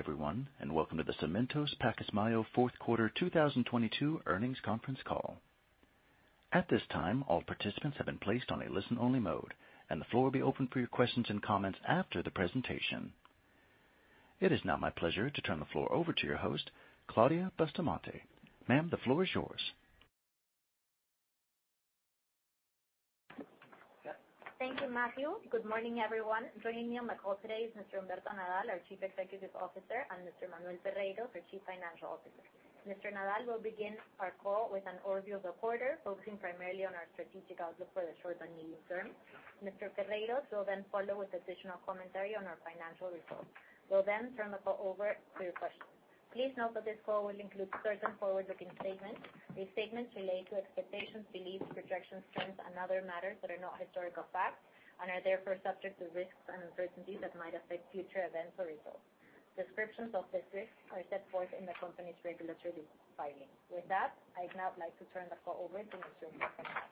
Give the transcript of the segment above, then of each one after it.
Good day, everyone, and welcome to the Cementos Pacasmayo 4th quarter 2022 earnings conference call. At this time, all participants have been placed on a listen-only mode, and the floor will be open for your questions and comments after the presentation. It is now my pleasure to turn the floor over to your host, Claudia Bustamante. Ma'am, the floor is yours. Thank you, Matthew. Good morning, everyone. Joining me on the call today is Mr. Humberto Nadal, our Chief Executive Officer, and Mr. Manuel Ferreyros, the Chief Financial Officer. Mr. Nadal will begin our call with an overview of the quarter, focusing primarily on our strategic outlook for the short and medium term. Mr. Ferreyros will follow with additional commentary on our financial results. We'll turn the call over to your questions. Please note that this call will include certain forward-looking statements. These statements relate to expectations, beliefs, projections, trends, and other matters that are not historical facts and are therefor e subject to risks and uncertainties that might affect future events or results. Descriptions of these risks are set forth in the company's regulatory filings. With that, I'd now like to turn the call over to Mr. Humberto Nadal.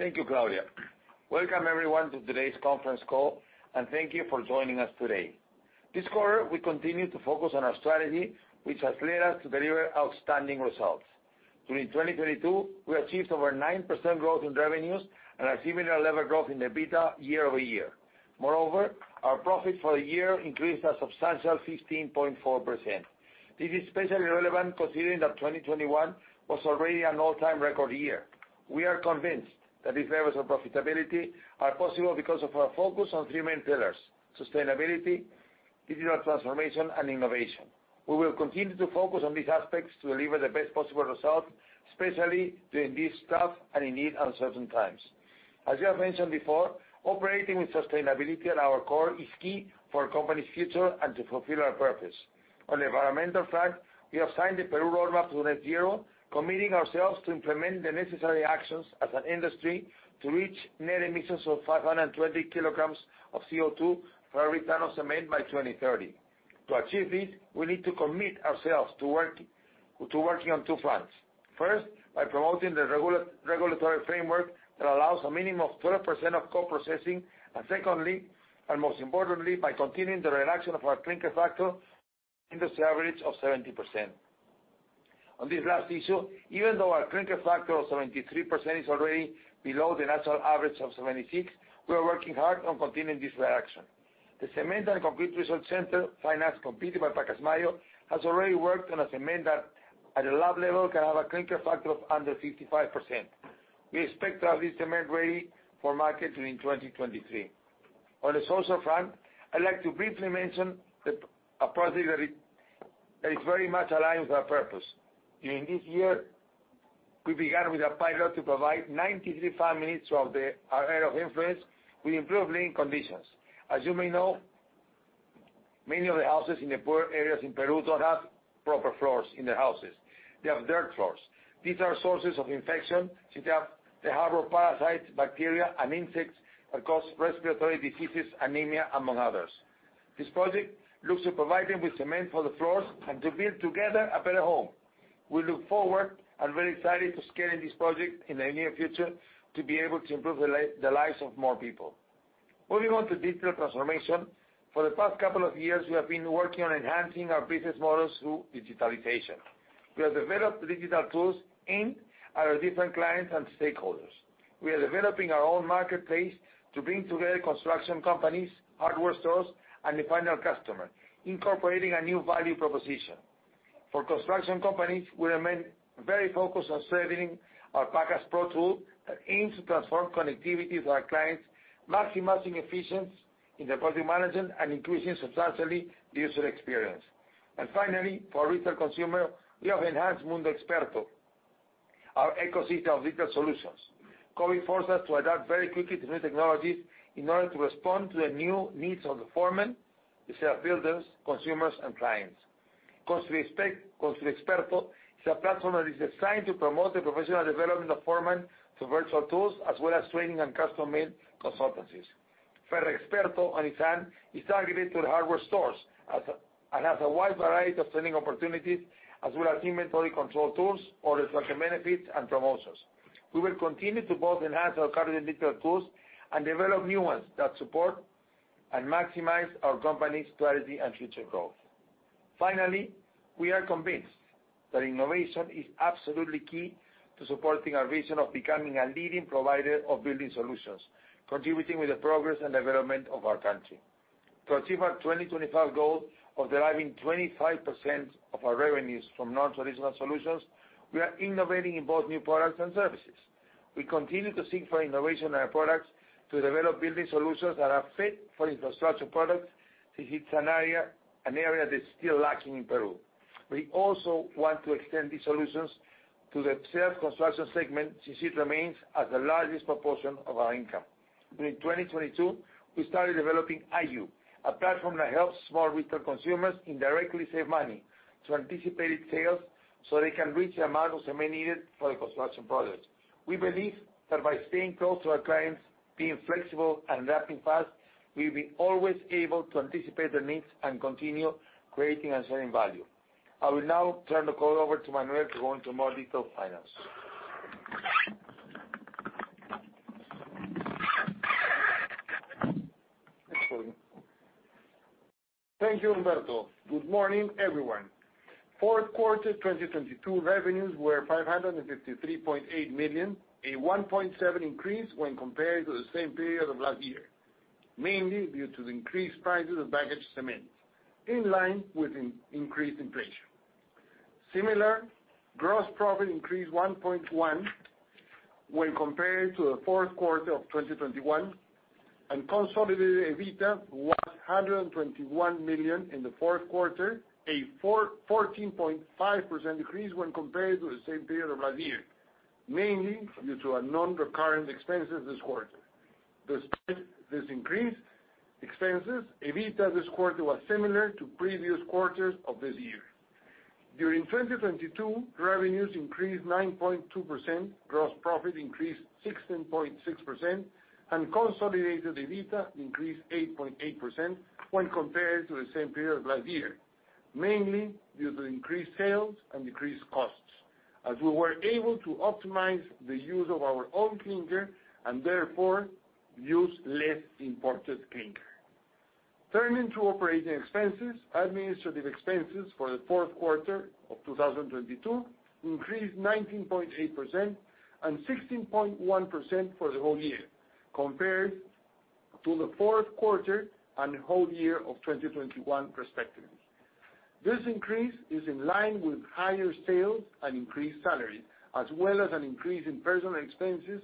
Thank you, Claudia. Welcome everyone to today's conference call. Thank you for joining us today. This quarter, we continue to focus on our strategy, which has led us to deliver outstanding results. During 2022, we achieved over 9% growth in revenues and a similar level growth in the EBITDA year-over-year. Moreover, our profit for the year increased a substantial 16.4%. This is especially relevant considering that 2021 was already an all-time record year. We are convinced that these levels of profitability are possible because of our focus on three main pillars: sustainability, digital transformation, and innovation. We will continue to focus on these aspects to deliver the best possible results, especially during these tough and indeed uncertain times. As we have mentioned before, operating with sustainability at our core is key for a company's future and to fulfill our purpose. On the environmental front, we have signed the Peru Roadmap to Net Zero, committing ourselves to implement the necessary actions as an industry to reach net emissions of 520 kg of CO2 for every ton of cement by 2030. To achieve this, we need to commit ourselves to working on two fronts. First, by promoting the regulatory framework that allows a minimum of 12% of co-processing. Secondly, and most importantly, by continuing the reduction of our clinker factor industry average of 70%. On this last issue, even though our clinker factor of 73% is already below the national average of 76%, we are working hard on continuing this reduction. The Cement and Concrete Research Center, financed completely by Pacasmayo, has already worked on a cement that at a lab level can have a clinker factor of under 55%. We expect to have this cement ready for market during 2023. On the social front, I'd like to briefly mention that a project that is very much aligned with our purpose. During this year, we began with a pilot to provide 93 families from the area of influence with improved living conditions. As you may know, many of the houses in the poor areas in Peru don't have proper floors in their houses. They have dirt floors. These are sources of infection since they harbor parasites, bacteria, and insects that cause respiratory diseases, anemia, among others. This project looks to provide them with cement for the floors and to build together a better home. We look forward and very excited to scaling this project in the near future to be able to improve the lives of more people. Moving on to digital transformation. For the past couple of years, we have been working on enhancing our business models through digitalization. We have developed digital tools aimed at our different clients and stakeholders. We are developing our own marketplace to bring together construction companies, hardware stores, and the final customer, incorporating a new value proposition. For construction companies, we remain very focused on serving our Pacas Pro tool that aims to transform connectivity to our clients, maximizing efficiency in the project management and increasing substantially the user experience. Finally, for retail consumer, we have enhanced MundoXperto, our ecosystem of digital solutions. COVID forced us to adapt very quickly to new technologies in order to respond to the new needs of the foremen, the self-builders, consumers, and clients. Construye Experto is a platform that is designed to promote the professional development of foremen through virtual tools as well as training and custom-made consultancies. FerreXperto, on its hand, is targeted to the hardware stores, it has a wide variety of training opportunities as well as inventory control tools, order tracking benefits, and promotions. We will continue to both enhance our current digital tools and develop new ones that support and maximize our company's strategy and future growth. Finally, we are convinced that innovation is absolutely key to supporting our vision of becoming a leading provider of building solutions, contributing with the progress and development of our country. To achieve our 2025 goal of deriving 25% of our revenues from non-traditional solutions, we are innovating in both new products and services. We continue to seek for innovation in our products to develop building solutions that are fit for infrastructure products since it's an area that's still lacking in Peru. We also want to extend these solutions to the self-construction segment, since it remains as the largest proportion of our income. During 2022, we started developing Hayyu, a platform that helps small retail consumers indirectly save money through anticipated sales, so they can reach the amount of cement needed for their construction projects. We believe that by staying close to our clients, being flexible, and adapting fast, we'll be always able to anticipate their needs and continue creating and sharing value. I will now turn the call over to Manuel to go into more detail on finance. Thank you, Humberto. Good morning, everyone. Fourth quarter 2022 revenues were PEN 553.8 million, a 1.7% increase when compared to the same period of last year, mainly due to the increased prices of bagged cement in line with increased inflation. Similar, gross profit increased 1.1% when compared to the fourth quarter of 2021, and consolidated EBITDA was PEN 121 million in the fourth quarter, a 14.5% decrease when compared to the same period of last year, mainly due to our non-recurrent expenses this quarter. Despite this increased expenses, EBITDA this quarter was similar to previous quarters of this year. During 2022, revenues increased 9.2%, gross profit increased 16.6%, and consolidated EBITDA increased 8.8% when compared to the same period of last year, mainly due to increased sales and decreased costs, as we were able to optimize the use of our own clinker and therefore use less imported clinker. Turning to operating expenses, administrative expenses for the fourth quarter of 2022 increased 19.8% and 16.1% for the whole year compared to the fourth quarter and whole year of 2021 respectively. This increase is in line with higher sales and increased salary, as well as an increase in personal expenses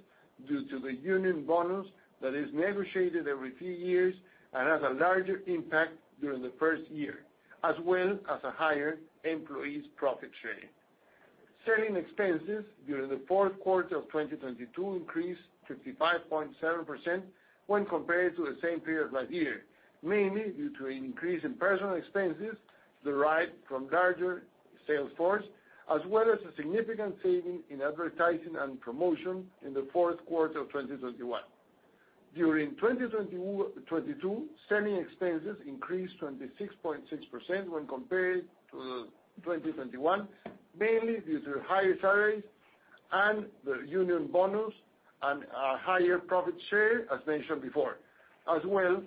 due to the union bonus that is negotiated every few years and has a larger impact during the first year, as well as a higher employees' profit sharing. Selling expenses during the fourth quarter of 2022 increased 55.7% when compared to the same period last year, mainly due to an increase in personal expenses derived from larger sales force, as well as a significant saving in advertising and promotion in the fourth quarter of 2021. During 2022, selling expenses increased 26.6% when compared to 2021, mainly due to higher salaries and the union bonus and higher profit share, as mentioned before, as well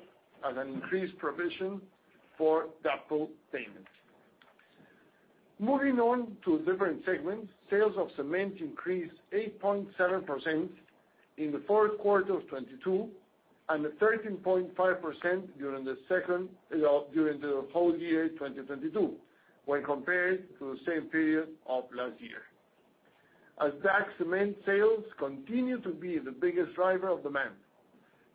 as an increased provision for DAPO payments. Moving on to different segments, sales of cement increased 8.7% in the fourth quarter of 2022, and 13.5% during the whole year 2022 when compared to the same period of last year. As bagged cement sales continue to be the biggest driver of demand.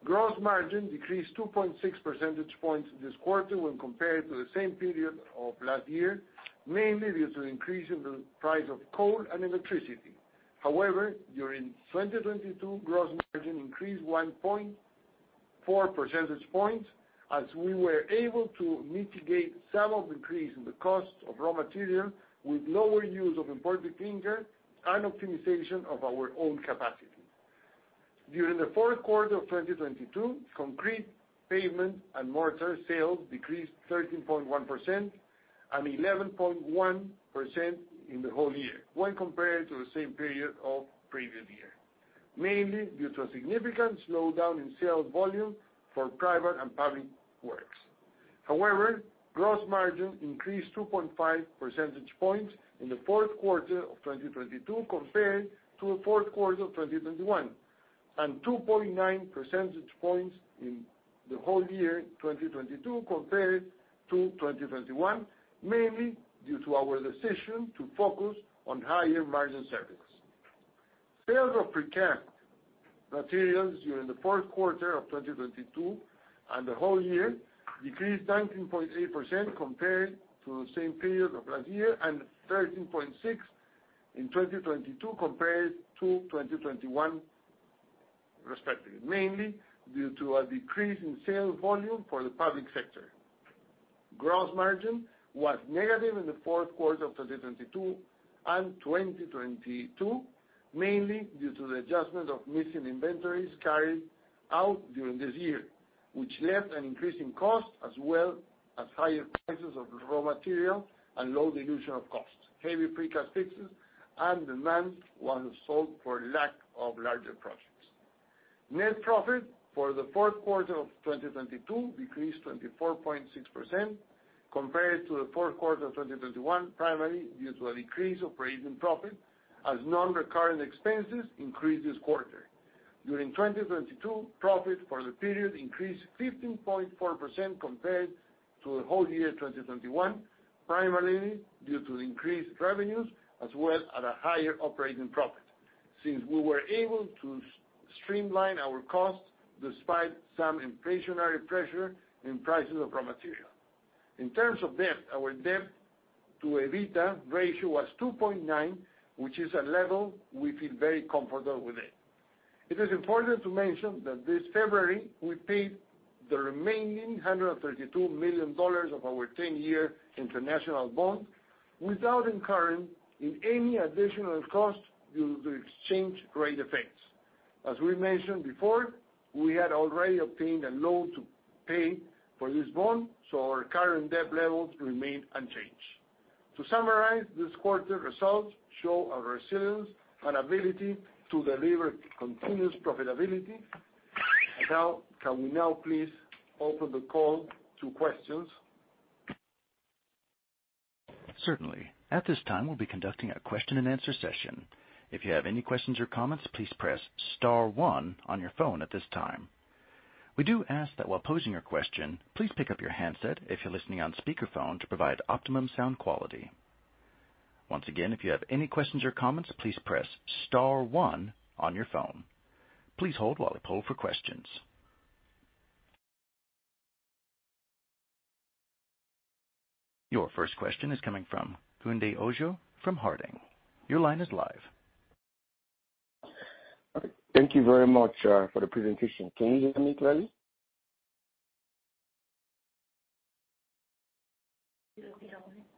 Gross margin decreased 2.6 percentage points this quarter when compared to the same period of last year, mainly due to an increase in the price of coal and electricity. During 2022, gross margin increased 1.4 percentage points as we were able to mitigate some of the increase in the cost of raw material with lower use of imported clinker and optimization of our own capacity. During the fourth quarter of 2022, concrete, pavement, and mortar sales decreased 13.1% and 11.1% in the whole year when compared to the same period of previous year, mainly due to a significant slowdown in sales volume for private and public works. However, gross margin increased 2.5 percentage points in the fourth quarter of 2022 compared to the fourth quarter of 2021, and 2.9 percentage points in the whole year 2022 compared to 2021, mainly due to our decision to focus on higher margin circuits. Sales of precast materials during the fourth quarter of 2022 and the whole year decreased 19.8% compared to the same period of last year and 13.6% in 2022 compared to 2021 respectively, mainly due to a decrease in sales volume for the public sector. Gross margin was negative in the fourth quarter of 2022 and 2022, mainly due to the adjustment of missing inventories carried out during this year, which left an increase in cost as well as higher prices of raw material and low dilution of costs, heavy precast fixes, and demand was sold for lack of larger projects. Net profit for the fourth quarter of 2022 decreased 24.6% compared to the fourth quarter of 2021, primarily due to a decrease of raising profit as non-recurrent expenses increased this quarter. During 2022, profit for the period increased 15.4% compared to the whole year 2021, primarily due to increased revenues as well as a higher operating profit since we were able to streamline our costs despite some inflationary pressure in prices of raw material. In terms of debt, our debt-to-EBITDA ratio was 2.9, which is a level we feel very comfortable with it. It is important to mention that this February, we paid the remaining $132 million of our 10-year international bond without incurring in any additional cost due to exchange rate effects. As we mentioned before, we had already obtained a loan to pay for this bond, our current debt levels remain unchanged. To summarize this quarter results show our resilience and ability to deliver continuous profitability. Can we now please open the call to questions? Certainly. At this time, we'll be conducting a question-and-answer session. If you have any questions or comments, please press star one on your phone at this time. We do ask that while posing your question, please pick up your handset if you're listening on speakerphone to provide optimum sound quality. Once again, if you have any questions or comments, please press star one on your phone. Please hold while we poll for questions. Your first question is coming from Babatunde Ojo from Harding. Your line is live. Okay. Thank you very much, for the presentation. Can you hear me clearly?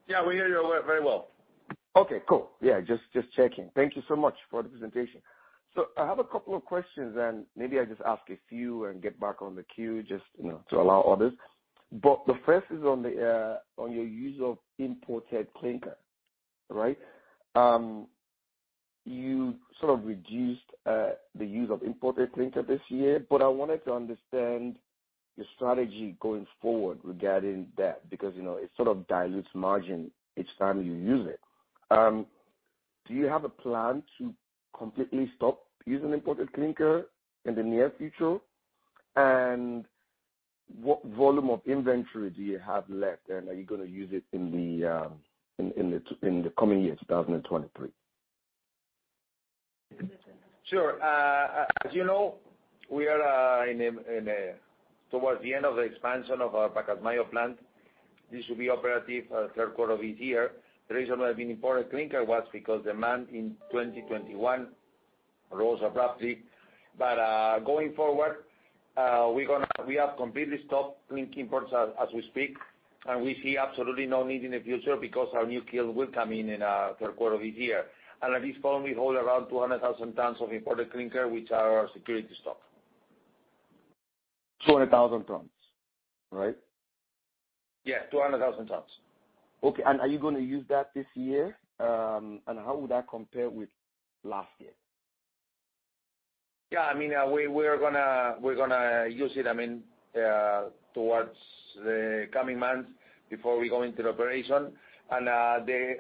Yeah, we hear you very well. Okay, cool. Yeah, just checking. Thank you so much for the presentation. I have a couple of questions, and maybe I just ask a few and get back on the queue, you know, to allow others. The first is on the use of imported clinker. Right? You sort of reduced the use of imported clinker this year, but I wanted to understand your strategy going forward regarding that because, you know, it sort of dilutes margin each time you use it. Do you have a plan to completely stop using imported clinker in the near future? What volume of inventory do you have left, and are you gonna use it in the coming year, 2023? Sure. As you know, we are towards the end of the expansion of our Pacasmayo plant. This will be operative, third quarter of this year. The reason we have been importing clinker was because demand in 2021 rose abruptly. Going forward, we have completely stopped clinker imports as we speak, and we see absolutely no need in the future because our new kiln will come in, third quarter of this year. At this point, we hold around 200,000 tons of imported clinker, which are our security stock. 200,000 tons, right? Yeah, 200,000 tons. Okay, are you gonna use that this year? How would that compare with last year? Yeah, I mean, we're gonna use it, I mean, towards the coming months before we go into the operation. The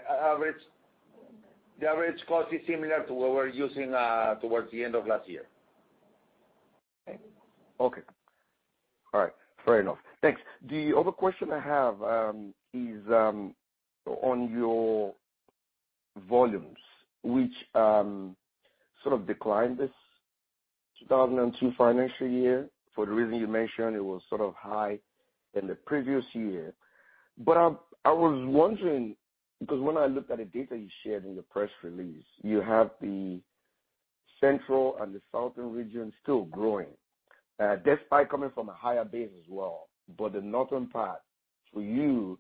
average cost is similar to what we're using towards the end of last year. Okay. All right. Fair enough. Thanks. The other question I have, is on your volumes, which sort of declined this 2002 financial year for the reason you mentioned, it was sort of high in the previous year. I was wondering, because when I looked at the data you shared in your press release, you have the central and the southern region still growing, despite coming from a higher base as well. The northern part for you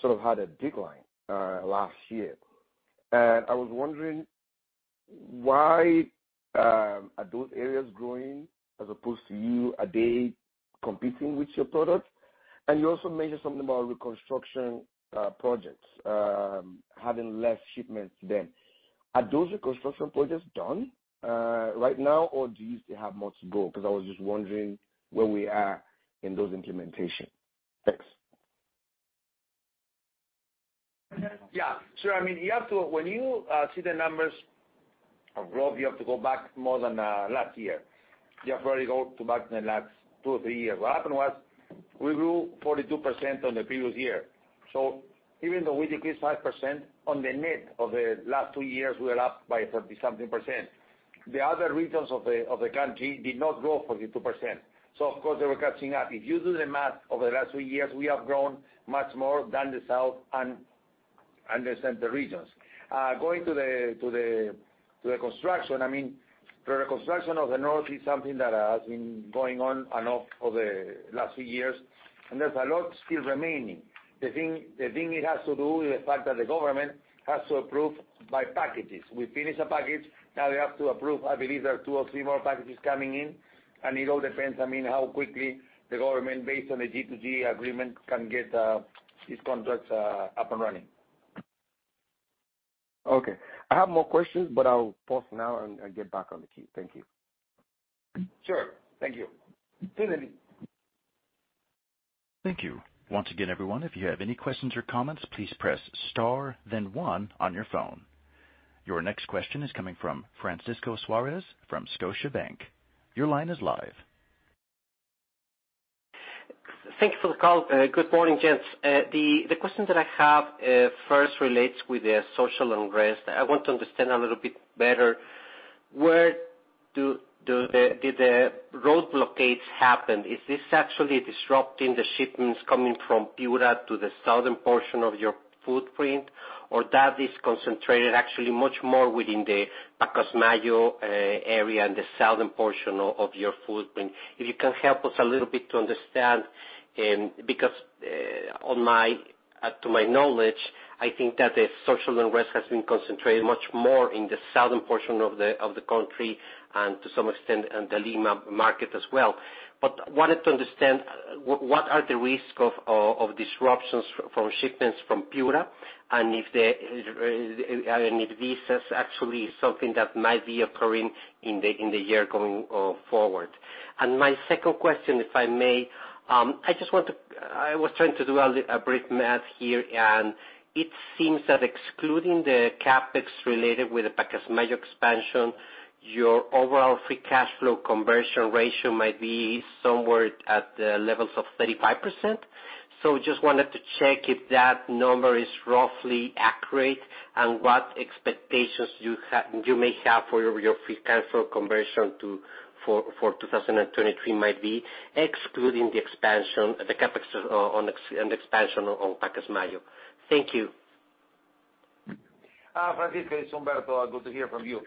sort of had a decline, last year. I was wondering why are those areas growing as opposed to you? Are they competing with your product? You also mentioned something about reconstruction projects having less shipments then. Are those reconstruction projects done right now, or do you still have more to go? I was just wondering where we are in those implementation. Thanks. Yeah. Sure. I mean, you have to When you see the numbers of growth, you have to go back more than last year. You have to already go to back the last two or three years. What happened was we grew 42% on the previous year. Even though we decreased 5% on the net of the last two years, we were up by 30 something percent. The other regions of the country did not grow 42%. Of course they were catching up. If you do the math, over the last three years we have grown much more than the south and the center regions. Going to the construction, I mean, the reconstruction of the north is something that has been going on and off over the last few years, and there's a lot still remaining. The thing it has to do with the fact that the government has to approve by packages. We finish a package, now they have to approve. I believe there are two or three more packages coming in, it all depends, I mean, how quickly the government, based on the G2G agreement, can get these contracts up and running. Okay. I have more questions. I'll pause now and get back on the queue. Thank you. Sure. Thank you. Thank you. Once again, everyone, if you have any questions or comments, please press star then one on your phone. Your next question is coming from Francisco Suarez from Scotiabank. Your line is live. Thank you for the call. Good morning, gents. The question that I have first relates with the social unrest. I want to understand a little bit better where did the road blockades happen? Is this actually disrupting the shipments coming from Piura to the southern portion of your footprint, or that is concentrated actually much more within the Pacasmayo area and the southern portion of your footprint? If you can help us a little bit to understand, because to my knowledge, I think that the social unrest has been concentrated much more in the southern portion of the country and to some extent in the Lima market as well. Wanted to understand what are the risks of disruptions from shipments from Piura and if this is actually something that might be occurring in the year going forward. My second question, if I may, I was trying to do a brief math here, and it seems that excluding the CapEx related with the Pacasmayo expansion, your overall free cash flow conversion ratio might be somewhere at the levels of 35%. Just wanted to check if that number is roughly accurate, and what expectations you may have for your free cash flow conversion to, for 2023 might be, excluding the expansion, the CapEx on and expansion on Pacasmayo. Thank you. Francisco, it's Humberto. Good to hear from you.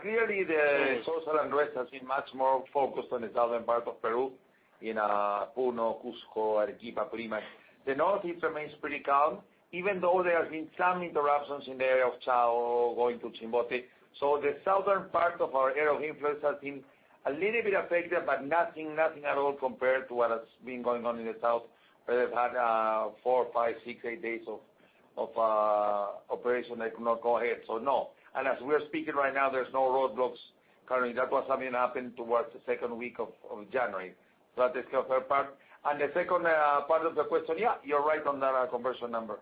Clearly the social unrest has been much more focused on the southern part of Peru in Puno, Cusco, Arequipa, Lima. The north, it remains pretty calm, even though there have been some interruptions in the area of Chao going to Chimbote. The southern part of our area of influence has been a little bit affected, but nothing at all compared to what has been going on in the south, where they've had four, five, six, eight days of operation they could not go ahead. No. As we are speaking right now, there's no roadblocks currently. That was something happened towards the second week of January. That is the first part. The second part of the question, yeah, you're right on that conversion number.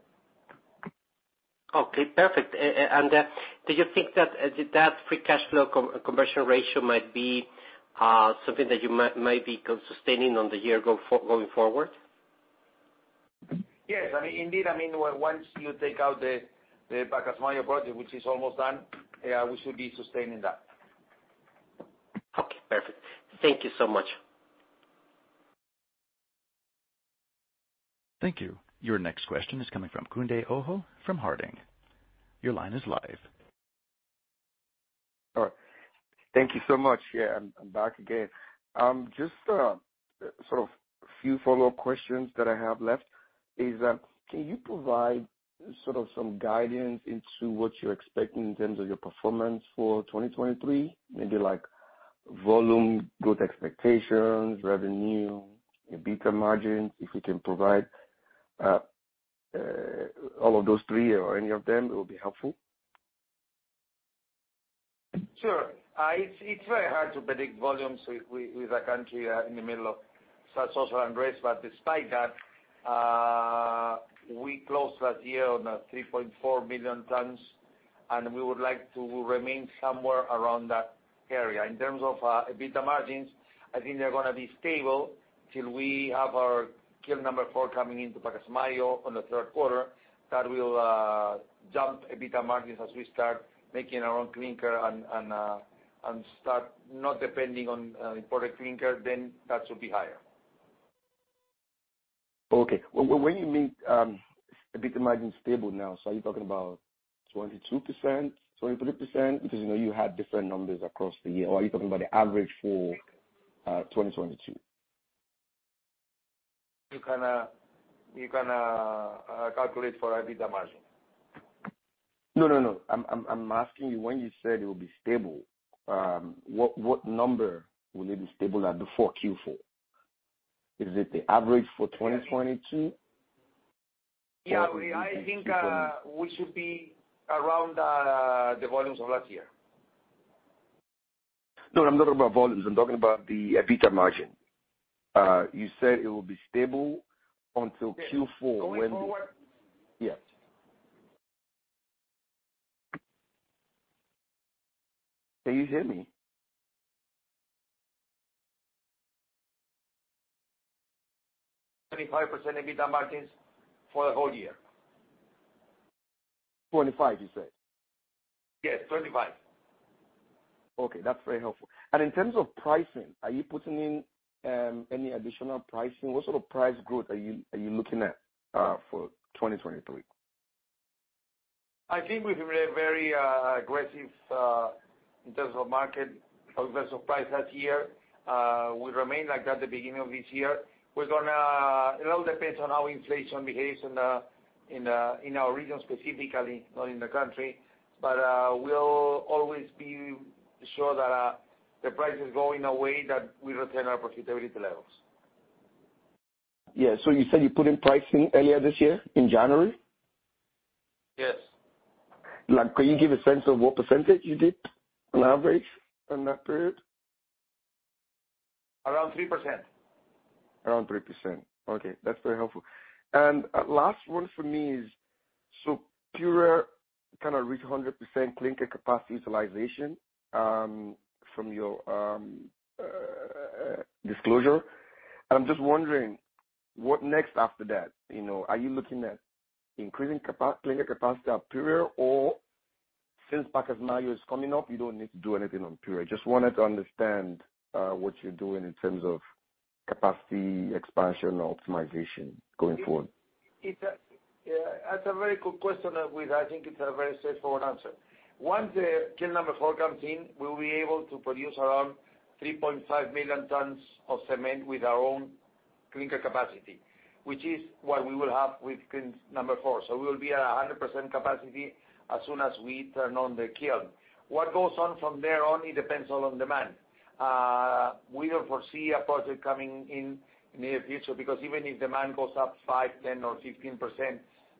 Okay, perfect. Do you think that free cash flow conversion ratio might be something that you might be sustaining on the year going forward? Yes. I mean, indeed, I mean, once you take out the Pacasmayo project, which is almost done, yeah, we should be sustaining that. Okay, perfect. Thank you so much. Thank you. Your next question is coming from Babatunde Ojo from Harding. Your line is live. All right. Thank you so much. Yeah, I'm back again. just sort of a few follow-up questions that I have left is, can you provide sort of some guidance into what you're expecting in terms of your performance for 2023? Maybe like volume growth expectations, revenue, EBITDA margins. If you can provide all of those three or any of them, it would be helpful. Sure. It's very hard to predict volumes with a country in the middle of social unrest. Despite that, we closed last year on a 3.4 billion tons, and we would like to remain somewhere around that area. In terms of EBITDA margins, I think they're gonna be stable till we have our kiln 4 coming into Pacasmayo on the third quarter. That will jump EBITDA margins as we start making our own clinker and start not depending on imported clinker, that should be higher. Okay. When you mean EBITDA margin stable now, are you talking about 22%, 23%? You know, you had different numbers across the year. Are you talking about the average for 2022? You kinda calculate for EBITDA margin. No, no. I'm asking you, when you said it would be stable, what number will it be stable at before Q4? Is it the average for 2022? I think, we should be around the volumes of last year. No, I'm not talking about volumes. I'm talking about the EBITDA margin. you said it would be stable until Q4 when. Going forward? Yeah. Can you hear me? 25% EBITDA margins for the whole year. 25, you said? Yes, 25. Okay, that's very helpful. In terms of pricing, are you putting in any additional pricing? What sort of price growth are you looking at for 2023? I think we've been very aggressive in terms of market in terms of price last year. We remain like that at the beginning of this year. It all depends on how inflation behaves in our region specifically, not in the country. We'll always be sure that the price is going a way that we retain our profitability levels. Yeah. You said you put in pricing earlier this year in January? Yes. Like, can you give a sense of what % you did on average in that period? Around 3%. Around 3%. Okay, that's very helpful. Last one for me is, Piura kinda reached 100% clinker capacity utilization, from your disclosure. I'm just wondering what next after that? You know, are you looking at increasing clinker capacity at Piura or since Pacasmayo is coming up, you don't need to do anything on Piura? Just wanted to understand what you're doing in terms of capacity expansion and optimization going forward. That's a very good question, with I think it's a very straightforward answer. Once the kiln number 4 comes in, we will be able to produce around 3.5 million tons of cement with our own clinker capacity, which is what we will have with kiln number 4. We will be at 100% capacity as soon as we turn on the kiln. What goes on from there on, it depends all on demand. We don't foresee a project coming in the near future because even if demand goes up 5%, 10%, or 15%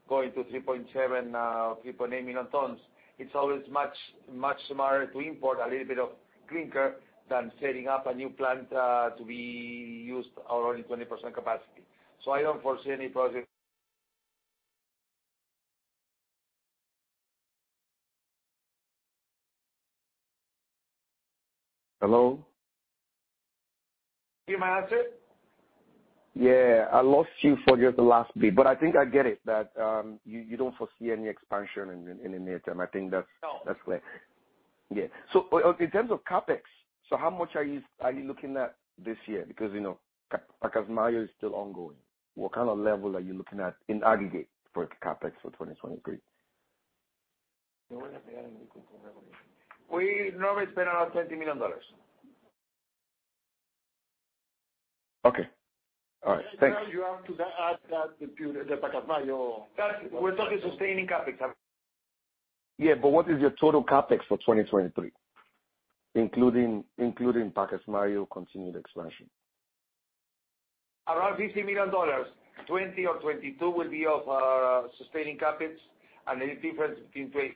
going to 3.7, or 3.8 million tons, it's always much, much smarter to import a little bit of clinker than setting up a new plant, to be used only 20% capacity. I don't foresee any project. Hello? You manage it? Yeah. I lost you for just the last bit, but I think I get it that, you don't foresee any expansion in the near term. I think that's. No. That's clear. Yeah. In terms of CapEx, so how much are you looking at this year? Because, you know, Pacasmayo is still ongoing. What kind of level are you looking at in aggregate for CapEx for 2023? We normally spend around $20 million. Okay. All right. Thanks. You have to add that to the Pacasmayo. We're talking sustaining CapEx. Yeah, what is your total CapEx for 2023, including Pacasmayo continued expansion? Around $50 million. 20 or 22 will be of sustaining CapEx, and the difference between.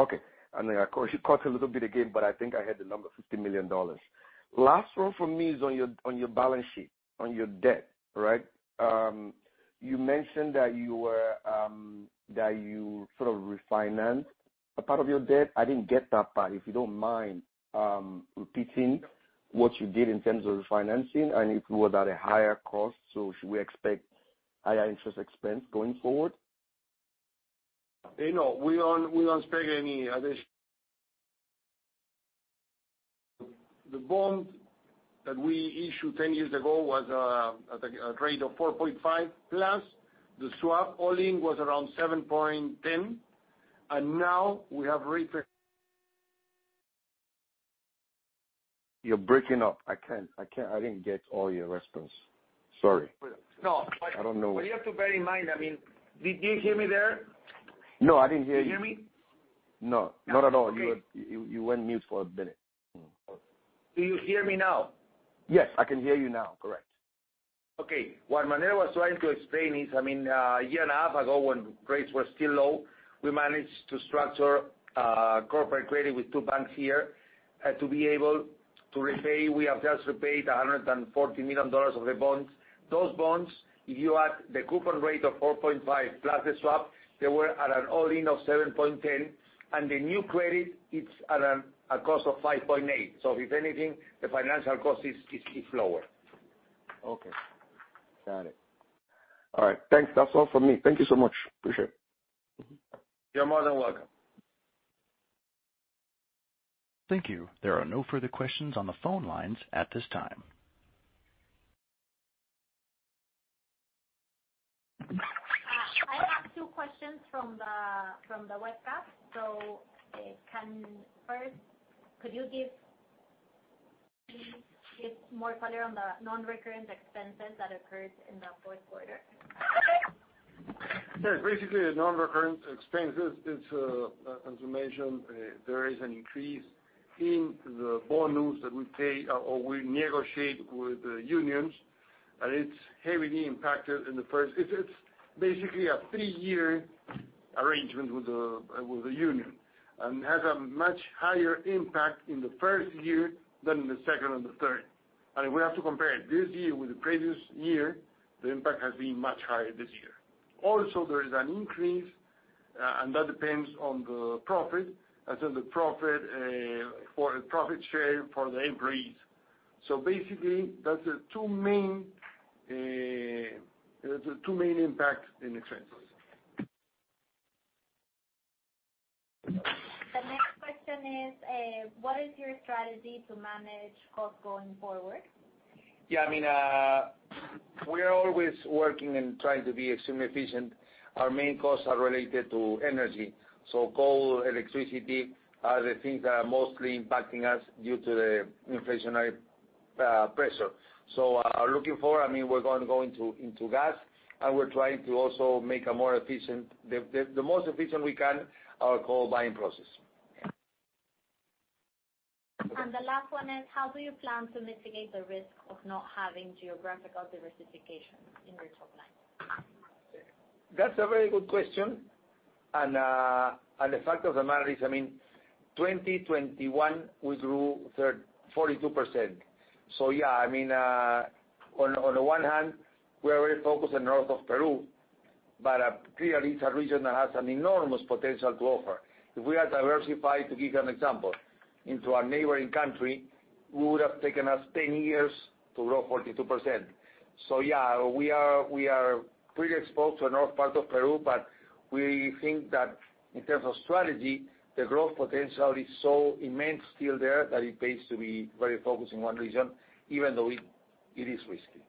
Okay. Of course, you cut a little bit again, but I think I heard the number $50 million. Last one for me is on your balance sheet, on your debt, right? You mentioned that you were that you sort of refinanced a part of your debt. I didn't get that part. If you don't mind repeating what you did in terms of refinancing and if it was at a higher cost. Should we expect higher interest expense going forward? You know, we don't expect The bond that we issued 10 years ago was at a rate of 4.5, plus the swap all-in was around 7.10, now we have. You're breaking up. I can't. I didn't get all your response. Sorry. No. I don't know- You have to bear in mind, I mean... Did you hear me there? No, I didn't hear you. Did you hear me? No, not at all. Okay. You went mute for a minute. Do you hear me now? Yes, I can hear you now. Correct. Okay. What Manuel was trying to explain is, I mean, a year and a half ago when rates were still low, we managed to structure corporate credit with two banks here to be able to repay. We have just repaid $140 million of the bonds. Those bonds, if you add the coupon rate of 4.5% plus the swap, they were at an all-in of 7.10%, and the new credit, it's at a cost of 5.8%. If anything, the financial cost is lower. Okay. Got it. All right. Thanks. That's all for me. Thank you so much. Appreciate it. You're more than welcome. Thank you. There are no further questions on the phone lines at this time. I have two questions from the webcast. First, could you please give more color on the non-recurrent expenses that occurred in the fourth quarter? Basically, the non-recurrent expense is, as you mentioned, there is an increase in the bonus that we pay or we negotiate with the unions, and it's heavily impacted in the first. It's basically a three-year arrangement with the union, and has a much higher impact in the first year than the second or the third. We have to compare this year with the previous year, the impact has been much higher this year. There is an increase and that depends on the profit. The profit for a profit share for the employees. Basically, those are the two main impacts in expenses. The next question is, what is your strategy to manage costs going forward? I mean, we are always working and trying to be extremely efficient. Our main costs are related to energy. Coal, electricity are the things that are mostly impacting us due to the inflationary pressure. Looking forward, I mean, we're gonna go into gas, and we're trying to also make a more efficient, the most efficient we can our coal buying process. The last one is, how do you plan to mitigate the risk of not having geographical diversification in your top line? That's a very good question. The fact of the matter is, I mean, 2021 we grew 42%. Yeah, I mean, on the one hand, we are very focused on north of Peru, clearly it's a region that has an enormous potential to offer. If we are diversified, to give you an example, into a neighboring country, it would have taken us 10 years to grow 42%. Yeah, we are pretty exposed to the north part of Peru, we think that in terms of strategy, the growth potential is so immense still there that it pays to be very focused in one region, even though it is risky.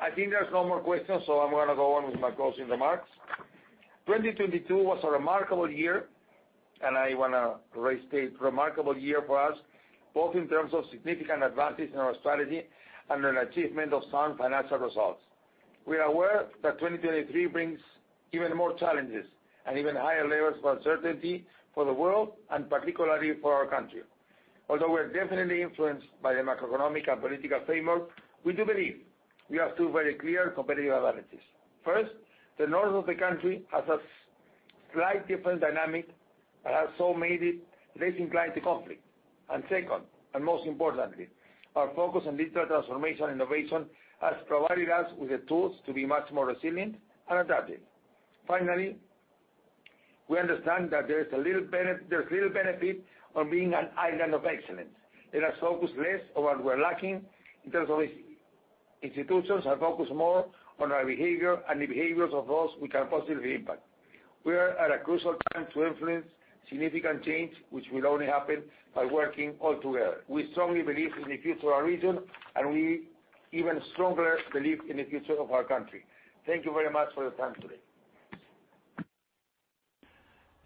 I think there's no more questions. I'm gonna go on with my closing remarks. 2022 was a remarkable year, I wanna restate, remarkable year for us, both in terms of significant advances in our strategy and an achievement of sound financial results. We are aware that 2023 brings even more challenges and even higher levels of uncertainty for the world and particularly for our country. Although we're definitely influenced by the macroeconomic and political framework, we do believe we have two very clear competitive advantages. First, the north of the country has a slight different dynamic that has so made it less inclined to conflict. Second, and most importantly, our focus on digital transformation and innovation has provided us with the tools to be much more resilient and adaptive. Finally, we understand that there's little benefit on being an island of excellence. Let us focus less on what we're lacking in terms of institutions, and focus more on our behavior and the behaviors of those we can positively impact. We are at a crucial time to influence significant change, which will only happen by working all together. We strongly believe in the future of our region, and we even stronger believe in the future of our country. Thank you very much for your time today.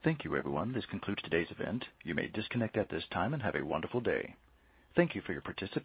Thank you, everyone. This concludes today's event. You may disconnect at this time, and have a wonderful day. Thank you for your participation.